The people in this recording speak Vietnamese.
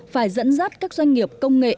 phải dẫn dắt các doanh nghiệp công nghệ